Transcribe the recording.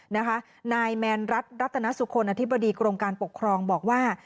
นายแมนรัฐรัตนสุคลอธิบดีกรมการปกครองบอกว่า